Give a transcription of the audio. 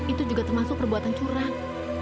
itu juga termasuk perbuatan curang